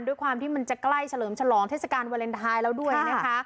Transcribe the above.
ด้วยความที่มันจะใกล้เฉลิมฉลองเทศกาลวาเลนไทยแล้วด้วยนะคะ